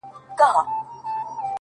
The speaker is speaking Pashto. زما هيله زما د وجود هر رگ کي بهېږي!!